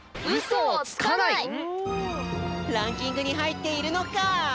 ランキングにはいっているのか？